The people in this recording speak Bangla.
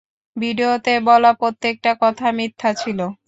ভিডিওতে বলা প্রত্যেকটা কথা মিথ্যা ছিল।